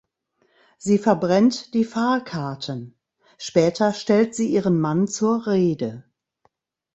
Sie verbrennt die Fahrkarten, später stellt sie ihren Mann zur Rede.